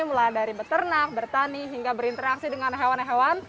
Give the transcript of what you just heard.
mulai dari beternak bertani hingga berinteraksi dengan hewan hewan